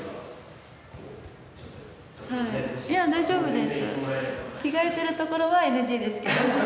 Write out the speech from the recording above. いや大丈夫です。